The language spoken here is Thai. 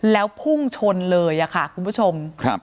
แล้วพุ่งชนเลยค่ะคุณผู้ชม